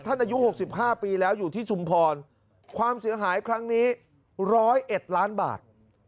อายุ๖๕ปีแล้วอยู่ที่ชุมพรความเสียหายครั้งนี้๑๐๑ล้านบาท